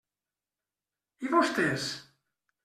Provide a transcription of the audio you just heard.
I vostès?